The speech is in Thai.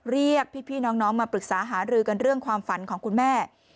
เรียกพี่น้องมาปรึกษาหารือกันเรื่องความฝันของคุณแม่